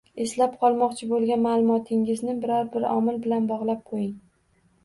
Eslab qolmoqchi bo‘lgan ma’lumotingizni biron-bir omil bilan bog‘lab qo‘ying.